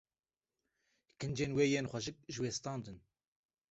Kincên wê yên xweşik ji wê standin